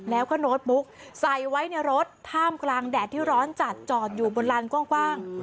แล้วก็โน้ตบุ๊กใส่ไว้ในรถท่ามกลางแดดที่ร้อนจัดจอดอยู่บนลานกว้าง